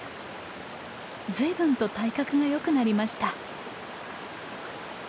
随分と体格がよくなりました。